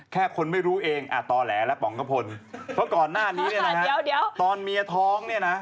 แค่คนไม่รู้เองต่อแหลละป๋องกะพลเพราะก่อนหน้านี้นะครับตอนเมียท้องเนี่ยนะ